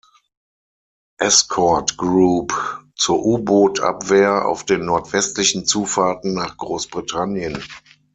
Escort Group“ zur U-Bootabwehr auf den nordwestlichen Zufahrten nach Großbritannien.